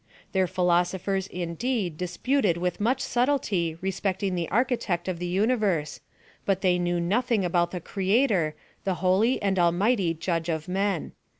Their philosophers, indeed, disputed with much subtlety respecting the architect of the universe, but they knew nothing about the Creator, ihe holy and almighty judge of men."